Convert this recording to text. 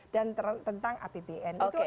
dan tentang apbn